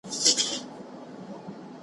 چي زه ماشوم وم له لا تر اوسه پوري .